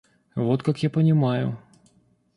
Вот как я понимаю.